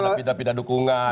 nggak ada pindah pindah dukungan